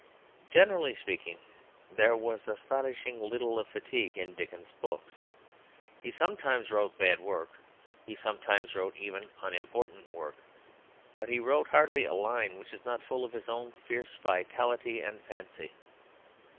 Generally speaking there was astonishingly little of fatigue in Dickens's books. He sometimes wrote bad work; he sometimes wrote even unimportant work; but he wrote hardly a line which is not full of his own fierce vitality and fancy.